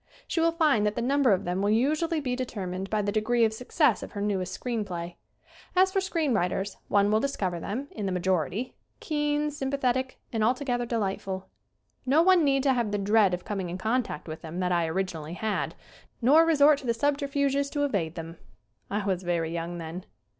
She will find that the number of them will usually be determined by the degree of success of her newest screen play. As for screen writers, one will discover them, in the majority, keen, sympathetic and altogether de lightful. No one need have the dread of com ing in contact with them that I originally had ; nor resort to the subterfuges to evade them. I was very young then.